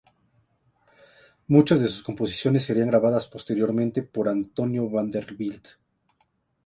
Muchas de sus composiciones serían grabadas posteriormente por Antonio Vanderbilt.